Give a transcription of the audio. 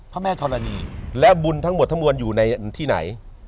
พระแม่ธรณีและบุญทั้งหมดทั้งมวลอยู่ในที่ไหน